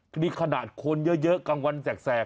ทีนี้ขนาดคนเยอะกลางวันแสก